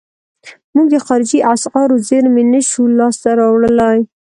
موږ د خارجي اسعارو زیرمې نشو لاس ته راوړلای.